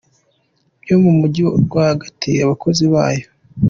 byo mu Mujyi rwagati Abakozi bayo.